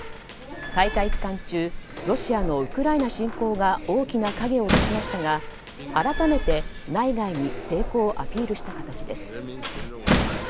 大会期間中ロシアのウクライナ侵攻が大きな影を落としましたが改めて内外に成功をアピールした形です。